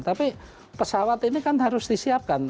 tapi pesawat ini kan harus disiapkan